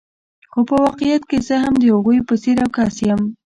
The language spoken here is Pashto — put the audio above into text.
خو په واقعیت کې زه هم د هغوی په څېر یو کس یم.